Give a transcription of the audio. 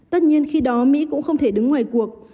tất nhiên khi đó mỹ cũng không thể đứng ngoài cuộc